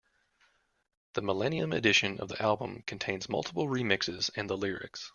The millennium edition of the album contains multiple remixes and the lyrics.